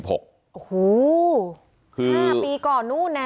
โอ้โฮ๕ปีก่อนนู้นแน่